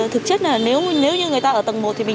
thực chất là nếu như người ta ở tầng một thì mình